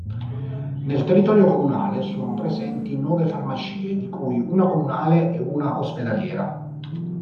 Nel territorio comunale sono presenti nove farmacie, di cui una comunale e una ospedaliera.